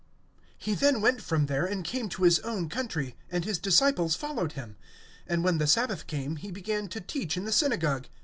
AND he went out from thence, and came into his own country; and his disciples follow him. (2)And when the sabbath was come, he began to teach in the synagogue.